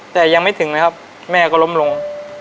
แต่ยังไม่ถึงนะครับแม่ก็ล้มลง